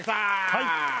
はい。